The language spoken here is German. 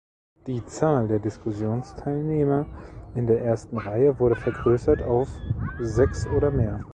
Die Zahl der Diskussionsteilnehmer in der ersten Reihe wurde vergrössert auf sechs oder mehr.